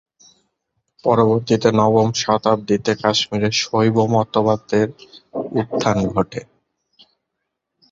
পরবর্তীতে নবম শতাব্দীতে কাশ্মীরে শৈব মতবাদের উত্থান ঘটে।